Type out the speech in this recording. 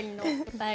はい。